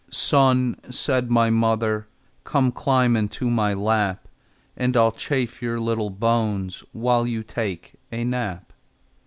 "Son," said my mother, "Come, climb into my lap, And I'll chafe your little bones While you take a nap."